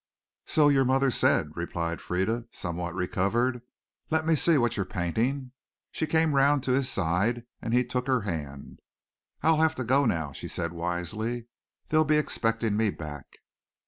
"So your mother said," replied Frieda, somewhat recovered. "Let me see what you're painting." She came round to his side and he took her hand. "I'll have to go now," she said wisely. "They'll be expecting me back."